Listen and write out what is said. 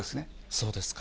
そうですか。